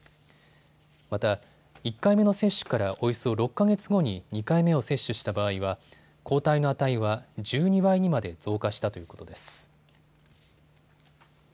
また、１回目の接種からおよそ６か月後に２回目を接種した場合は抗体の値は１２倍にまで増加したということです。